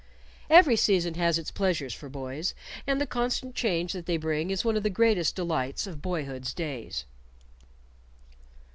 Every season has its pleasures for boys, and the constant change that they bring is one of the greatest delights of boyhood's days.